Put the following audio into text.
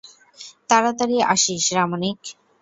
তাড়াতাড়ি আসিস, রামনিক।